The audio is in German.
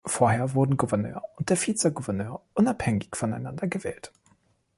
Vorher wurden Gouverneur und der Vizegouverneur unabhängig voneinander gewählt.